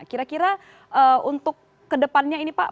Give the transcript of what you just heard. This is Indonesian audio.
kira kira untuk kedepannya ini pak